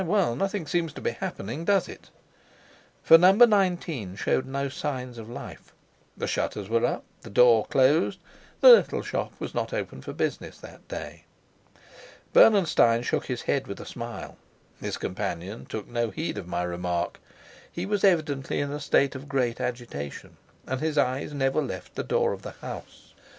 "Well, nothing seems to be happening, does it?" For No. 19 showed no sign of life. The shutters were up, the door closed; the little shop was not open for business that day. Bernenstein shook his head with a smile. His companion took no heed of my remark; he was evidently in a state of great agitation, and his eyes never left the door of the house.